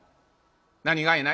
「何がいな？」。